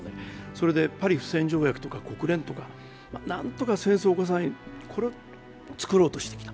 それでパリ不戦条約とか国連とか、何とか戦争を起こさないものを作ろうとしてきた。